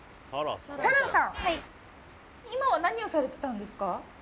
沙良さんはい今は何をされてたんですか？